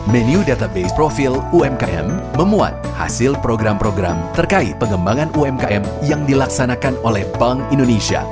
menu database profil umkm memuat hasil program program terkait pengembangan umkm yang dilaksanakan oleh bank indonesia